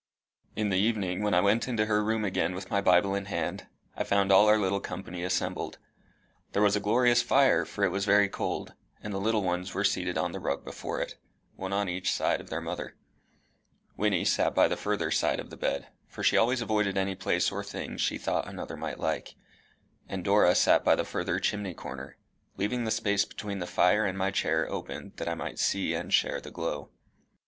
In the evening, when I went into her room again with my Bible in my hand, I found all our little company assembled. There was a glorious fire, for it was very cold, and the little ones were seated on the rug before it, one on each side of their mother; Wynnie sat by the further side of the bed, for she always avoided any place or thing she thought another might like; and Dora sat by the further chimney corner, leaving the space between the fire and my chair open that I might see and share the glow.